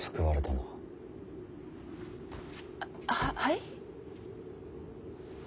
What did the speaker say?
あははい？